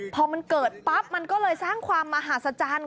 พอมันเกิดปั๊บมันก็เลยสร้างความมหาศจรรย์